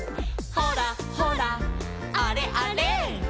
「ほらほらあれあれ」